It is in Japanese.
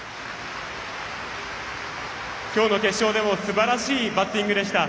今日の決勝でもすばらしいバッティングでした。